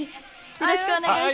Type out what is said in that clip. よろしくお願いします！